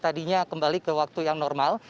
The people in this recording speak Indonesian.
untuk setidaknya tadinya kembali ke waktu yang normal